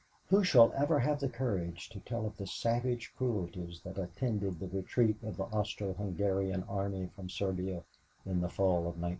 Who shall ever have the courage to tell of the savage cruelties that attended the retreat of the Austro Hungarian army from Serbia in the fall of 1914?